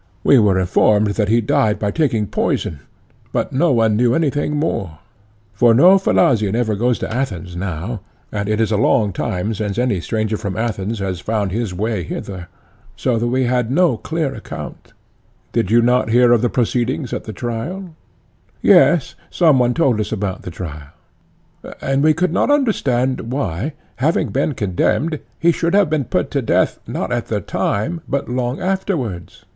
We were informed that he died by taking poison, but no one knew anything more; for no Phliasian ever goes to Athens now, and it is a long time since any stranger from Athens has found his way hither; so that we had no clear account. PHAEDO: Did you not hear of the proceedings at the trial? ECHECRATES: Yes; some one told us about the trial, and we could not understand why, having been condemned, he should have been put to death, not at the time, but long afterwards.